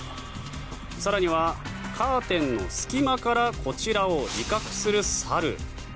更にはカーテンの隙間からこちらを威嚇する猿。